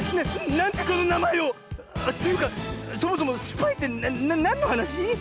なんでそのなまえを⁉というかそもそもスパイってなんのはなし？